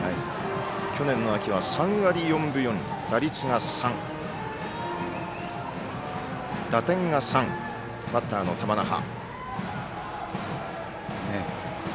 去年の秋は３割４分４厘打点が３、バッターの玉那覇。